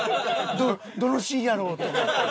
どどのシーンやろ？って思って。